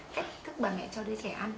cách thức bà mẹ cho đứa trẻ ăn